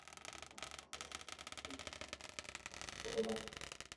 Regrets quickly followed.